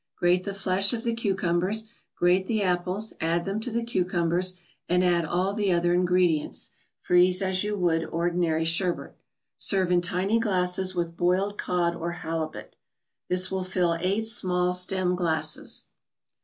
Grate the flesh of the cucumbers; grate the apples, add them to the cucumbers, and add all the other ingredients. Freeze as you would ordinary sherbet. Serve in tiny glasses, with boiled cod or halibut. This will fill eight small stem glasses.